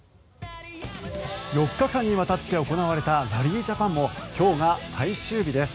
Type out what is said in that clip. ４日間にわたって行われたラリージャパンも今日が最終日です。